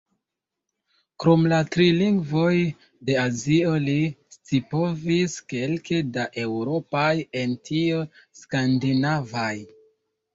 Krom la tri lingvoj de Azio li scipovis kelke da eŭropaj, en tio skandinavaj.